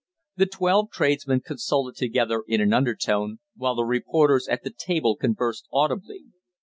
The twelve tradesmen consulted together in an undertone, while the reporters at the table conversed audibly.